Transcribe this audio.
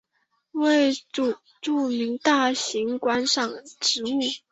为著名大型观赏植物。